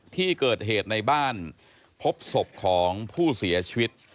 ที่เกิดเหตุในบ้านพบศพของผู้เสียชีวิต